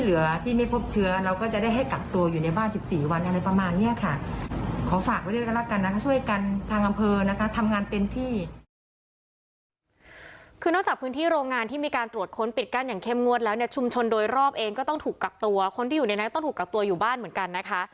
คือนอกจากพื้นที่โรงงานที่มีการตรวจค้นปิดกั้นอย่างเข้มงวดแล้วเนี่ยชุมชนโดยรอบเองก็ต้องถูกกักตัวคนที่อยู่ในนั้นต้องถูกกักตัวอยู่บ้านเหมือนกันนะคะ